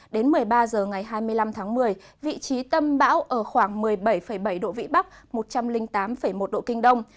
đến một mươi ba h ngày hai mươi năm tháng một mươi vị trí tâm bão ở khoảng một mươi bảy bảy độ vĩ bắc một trăm linh tám một độ kinh đông